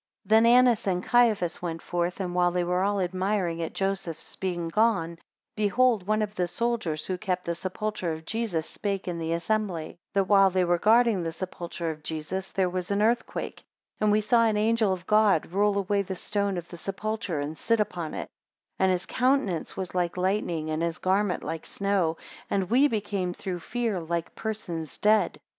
2 Then Annas and Caiaphas went forth, and while they were all admiring at Joseph's being gone, behold one of the soldiers, who kept the sepulchre of Jesus, spake in the assembly, 3 That while they were guarding the sepulchre of Jesus, there was an earthquake; and we saw an angel of God roll away the stone of the sepulchre and sit upon it; 4 And his countenance was like lightning and his garment like snow; and we became through fear like persons dead.